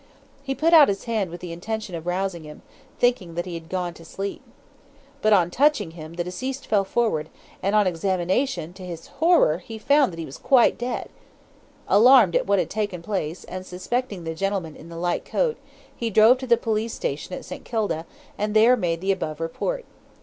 He put out his hand with the intention of rousing him, thinking that he had gone to sleep. But on touching him the deceased fell forward, and on examination, to his horror, he found that he was quite dead. Alarmed at what had taken place, and suspecting the gentleman in the light coat, he drove to the police station at St. Kilda, and there made the above report.